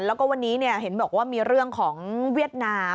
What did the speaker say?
แล้วก็วันนี้เห็นบอกว่ามีเรื่องของเวียดนาม